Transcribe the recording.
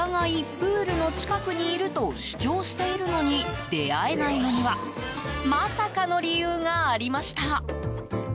プールの近くにいると主張しているのに出会えないのにはまさかの理由がありました。